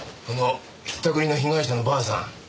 このひったくりの被害者のばあさん